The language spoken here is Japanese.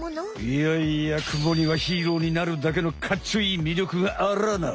いやいやクモにはヒーローになるだけのかっちょいい魅力があらな！